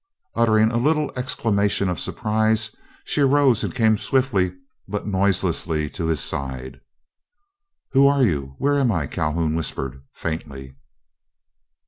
Uttering a little exclamation of surprise, she arose and came swiftly but noiselessly to his side. "Who are you? Where am I?" Calhoun whispered, faintly.